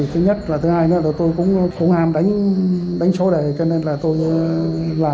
thứ nhất là thứ hai nữa là tôi cũng ham đánh số đầy cho nên là tôi làm cái này